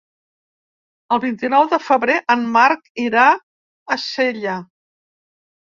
El vint-i-nou de febrer en Marc irà a Sella.